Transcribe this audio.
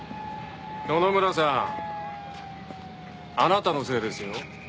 野々村さんあなたのせいですよ。